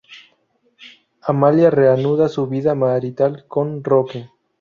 Amalia reanuda su vida marital con Roque.